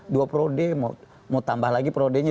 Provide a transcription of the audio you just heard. dua prode mau tambah lagi prodenya